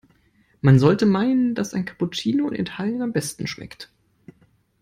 Man sollte meinen, dass ein Cappuccino in Italien am besten schmeckt.